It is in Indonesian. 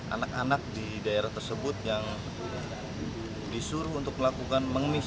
anak anak di daerah tersebut yang disuruh untuk melakukan mengemis